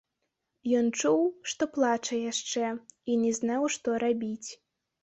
Ён чуў, што плача яшчэ, і не знаў, што рабіць.